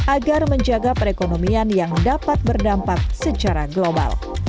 agar menjaga perekonomian yang dapat berdampak secara global